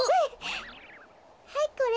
はいこれ。